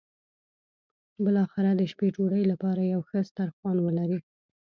بالاخره د شپې ډوډۍ لپاره یو ښه سترخوان ولري.